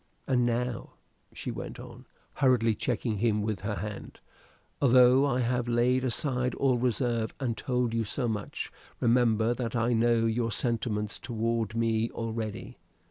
And now," she went on, hurriedly checking him with her hand, "although I have laid aside all reserve and told you so much, remember that I know your sentiments toward me already.